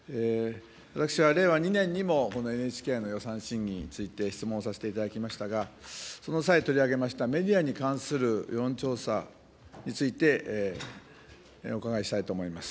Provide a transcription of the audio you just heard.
私は令和２年にも、このＮＨＫの予算審議について質問させていただきましたが、その際、取り上げました、メディアに関する世論調査についてお伺いしたいと思います。